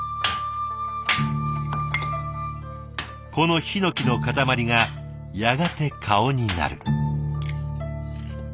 このヒノキの塊がやがて顔になる。